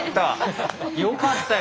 よかった。